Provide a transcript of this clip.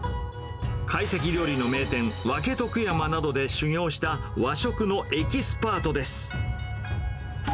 会席料理の名店、分とく山などで修業した、和食のエキスパートです。